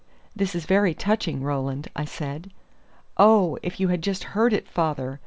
"This is very touching, Roland," I said. "Oh, if you had just heard it, father!